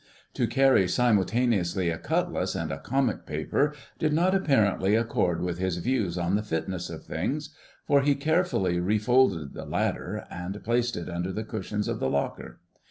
To carry simultaneously a cutlass and a comic paper did not apparently accord with his views on the fitness of things, for he carefully refolded the latter and placed it under the cushions of the locker.